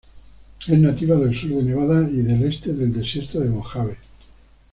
Es nativa del sur de Nevada, y el este del Desierto de Mojave.